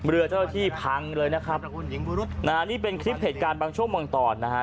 เรือเจ้าที่พังเลยนะครับนะฮะนี่เป็นคลิปเหตุการณ์บางช่วงบางตอนนะฮะ